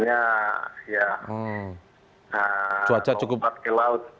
akhirnya ya lompat ke laut